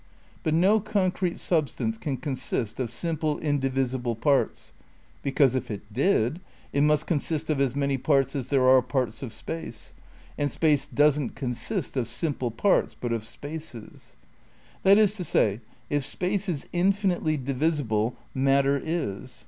But no concrete substance can consist of simple in divisible parts, because, if it did, it must consist of as many parts as there are parts of space, and space doesn't consist of simple parts but of spaces. That ia to say, if space is infinitely divisible, matter is.